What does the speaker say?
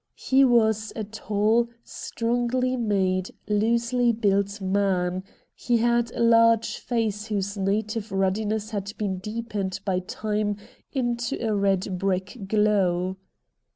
He was a tall, strongly made, loosely built man ; he had a large face whose native ruddiness had been deepened by time into a red brick glow.